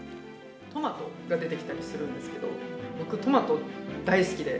トマトが出てきたりするんですけど、僕、トマト大好きで。